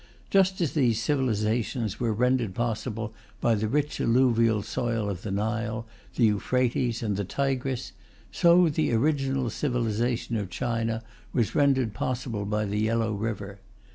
Just as these civilizations were rendered possible by the rich alluvial soil of the Nile, the Euphrates, and the Tigris, so the original civilization of China was rendered possible by the Yellow River.